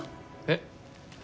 えっ？